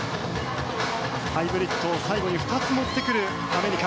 ハイブリッドを最後に２つ持ってくるアメリカ。